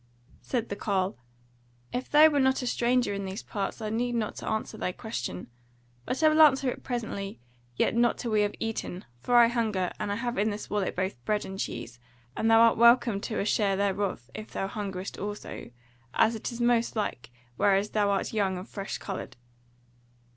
Said the carle: "If thou wert not a stranger in these parts I need not to answer thy question; but I will answer it presently, yet not till we have eaten, for I hunger, and have in this wallet both bread and cheese, and thou art welcome to a share thereof, if thou hungerest also, as is most like, whereas thou art young and fresh coloured."